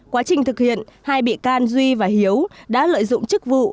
quá trình thực hiện hai bị can duy và hiếu đã lợi dụng chức vụ